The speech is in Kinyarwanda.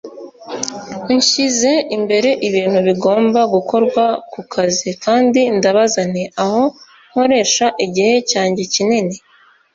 nshyize imbere ibintu bigomba gukorwa ku kazi, kandi ndabaza nti aho nkoresha igihe cyanjye kinini